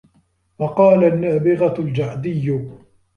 وَقَالَ النَّابِغَةُ الْجَعْدِيُّ